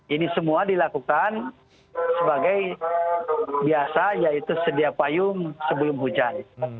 ini semua dilakukan sebagai biasa yaitu sedia payung sebelum hujan